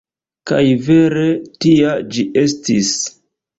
Kaj vere tia ĝi estis.